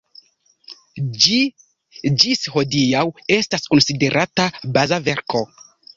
Ĝi ĝis hodiaŭ estas konsiderata baza verko.